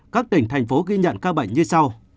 các tỉnh thành phố ghi nhận ca bệnh như sau